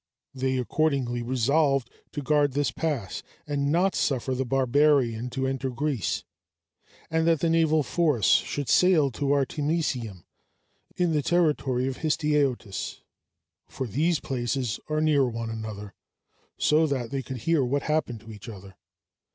They accordingly resolved to guard this pass, and not suffer the barbarian to enter Greece; and that the naval force should sail to Artemisium, in the territory of Histiæotis, for these places are near one another, so that they could hear what happened to each other.